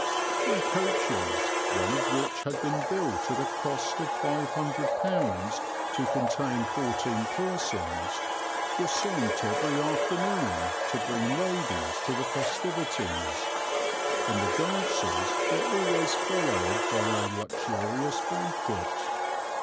Three coaches, one of which had been built at a cost of five hundred pounds to contain fourteen persons, were sent every afternoon to bring ladies to the festivities; and the dances were always followed by a luxurious banquet.